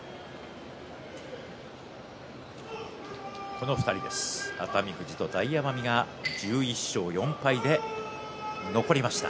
この２人ですね熱海富士と大奄美が１１勝４敗で残りました。